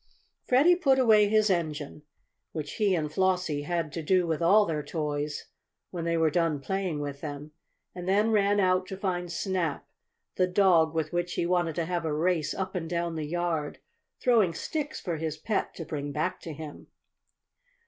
Freddie put away his engine, which he and Flossie had to do with all their toys when they were done playing with them, and then ran out to find Snap, the dog with which he wanted to have a race up and down the yard, throwing sticks for his pet to bring back to him.